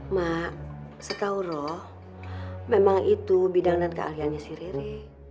mak sekauroh memang itu bidang dan keahliannya si riri